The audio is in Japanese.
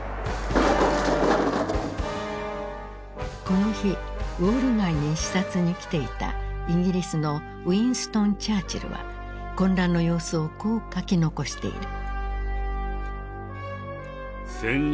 ☎この日ウォール街に視察に来ていたイギリスのウィンストン・チャーチルは混乱の様子をこう書き残している。